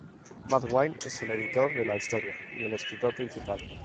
Matt Wayne es el editor de la historia y el escritor principal.